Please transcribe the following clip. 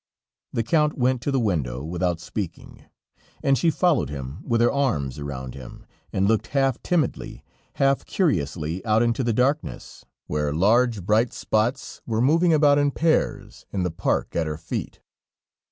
The Count went to the window without speaking, and she followed him, with her arms round him, and looked half timidly, half curiously out into the darkness, where large bright spots were moving about in pairs, in the park at her feet.